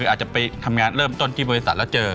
อาจจะไปทำงานเริ่มต้นที่บริษัทแล้วเจอ